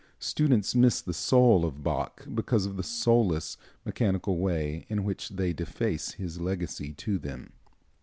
Students miss the soul of Bach because of the soulless, mechanical way in which they deface his legacy to them.